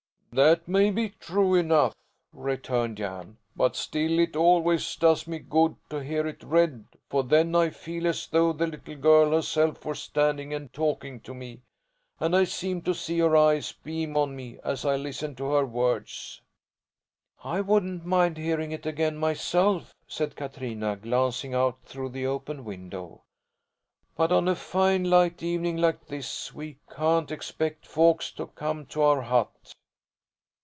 "That may be true enough," returned Jan, "but still it always does me good to hear it read, for then I feel as though the little girl herself were standing and talking to me, and I seem to see her eyes beam on me as I listen to her words." "I wouldn't mind hearing it again, myself," said Katrina, glancing out through the open window. "But on a fine light evening like this we can't expect folks to come to our hut."